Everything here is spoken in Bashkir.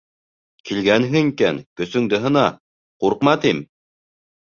Килгәнһең икән, көсөңдө һына, ҡурҡма, тим...